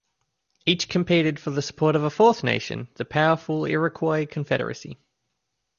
Each competed for the support of a fourth nation; the powerful Iroquois Confederacy.